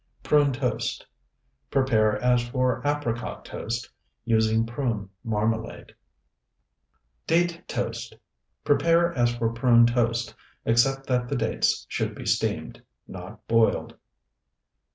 PRUNE TOAST Prepare as for apricot toast, using prune marmalade. DATE TOAST Prepare as for prune toast, except that the dates should be steamed, not boiled.